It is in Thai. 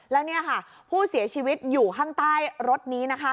แล้วนี่ค่ะผู้เสียชีวิตอยู่ข้างใต้รถนี้นะคะ